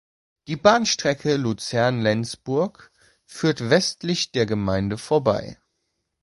Die Bahnstrecke Luzern-Lenzburg führt westlich der Gemeinde vorbei.